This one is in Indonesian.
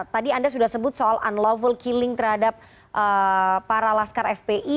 tadi anda sudah sebut soal unlawful killing terhadap para laskar fpi